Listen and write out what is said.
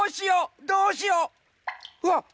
うわっ！